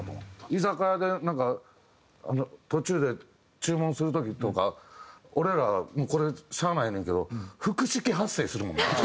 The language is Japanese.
居酒屋でなんか途中で注文する時とか俺らこれしゃあないねんけど腹式発声するもんな。